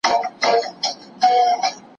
ماشوم د مور له مينې اعتماد اخلي.